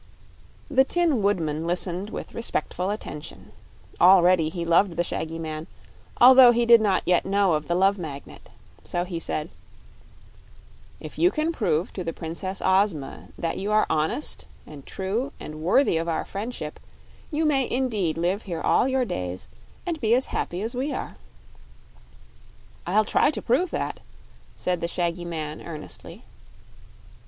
The Tin Woodman listened with respectful attention. Already he loved the shaggy man, although he did not yet know of the Love Magnet. So he said: "If you can prove to the Princess Ozma that you are honest and true and worthy of our friendship, you may indeed live here all your days, and be as happy as we are." "I'll try to prove that," said the shaggy man, earnestly.